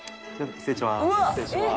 失礼します。